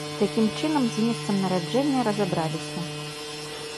Такім чынам, з месцам нараджэння разабраліся.